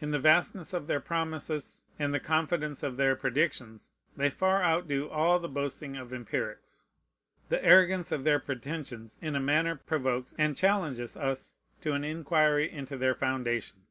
In the vastness of their promises and the confidence of their predictions they far outdo all the boasting of empirics. The arrogance of their pretensions in a manner provokes and challenges us to an inquiry into their foundation.